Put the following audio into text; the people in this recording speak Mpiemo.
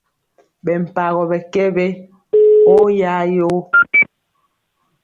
Ɓɛ mpagɔ ɓɛ kɛ we oyayoo.